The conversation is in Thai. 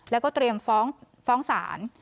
แล้วก็เตรียมฟ้องศาล